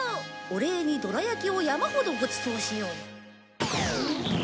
お礼にどら焼きを山ほどごちそうしよう。